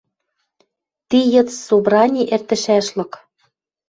Ти йыд собрани эртӹшӓшлык.